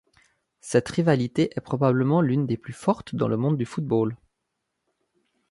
Cette rivalité est probablement l'une des plus fortes dans le monde du football.